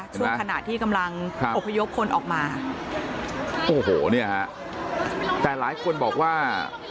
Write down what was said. ช่วงขณะที่กำลังอบพยพคนออกมาโอ้โหเนี่ยฮะแต่หลายคนบอกว่า